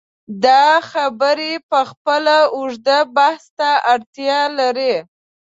دا خبرې پخپله اوږد بحث ته اړتیا لري.